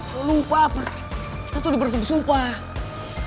lo lupa kita tuh udah bersemisal bersumpah